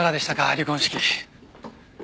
離婚式。